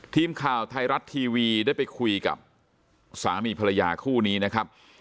ทีมข่าวไทยรัฐทีวีได้ไปคุยกับสามีภรรยาคู่นี้นะครับ